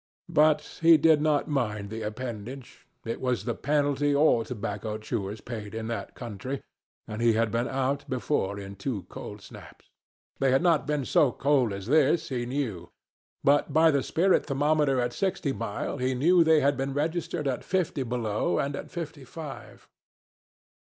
But he did not mind the appendage. It was the penalty all tobacco chewers paid in that country, and he had been out before in two cold snaps. They had not been so cold as this, he knew, but by the spirit thermometer at Sixty Mile he knew they had been registered at fifty below and at fifty five.